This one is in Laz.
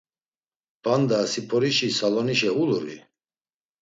P̌anda siporişi salonişe uluri?